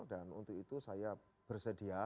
dan untuk itu saya bersedia